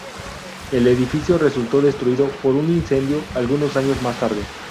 El edificio resultó destruido por un incendio algunos años más tarde.